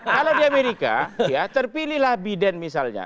kalau di amerika ya terpilihlah biden misalnya